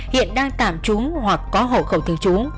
hiện đang tạm trúng hoặc có hậu khẩu thương trúng